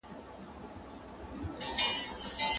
هغوی د چاپیریال په پاک ساتلو بوخت دي.